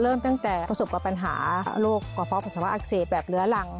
เริ่มตั้งแต่ประสบกับปัญหาโรคกระเพาะปัสสาวะอักเสบแบบเลื้อรัง